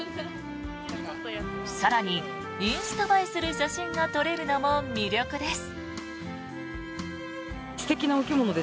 更に、インスタ映えする写真が撮れるのも魅力です。